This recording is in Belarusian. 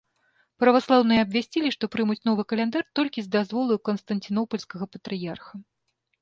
Праваслаўныя абвясцілі, што прымуць новы каляндар толькі з дазволу канстанцінопальскага патрыярха.